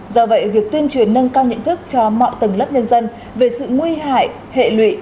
do vậy việc tuyên truyền nâng cao nhận thức cho mọi tầng lớp nhân dân về sự nguy hại hệ lụy